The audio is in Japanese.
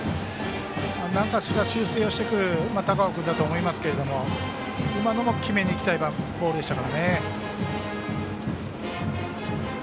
何かしら修正をしてくる高尾君だと思いますけど今のも決めにいきたいボールでしたね。